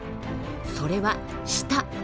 それは舌。